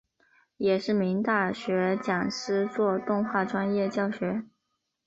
也是名大学讲师做动画专业教学。